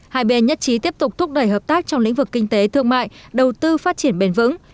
hai bên nhất trí tiếp tục thúc đẩy hợp tác trong lĩnh vực kinh tế thương mại đầu tư phát triển bền vững